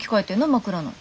枕の。